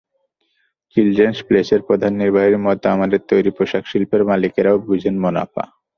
Children's প্লেসের প্রধান নির্বাহীর মতো আমাদের তৈরি পোশাকশিল্পের মালিকেরাও বোঝেন মুনাফা।